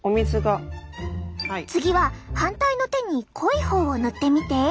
次は反対の手に濃いほうを塗ってみて！